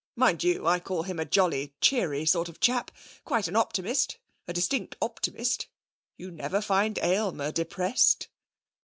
Mind you, I call him a jolly, cheery sort of chap. Quite an optimist a distinct optimist. You never find Aylmer depressed.'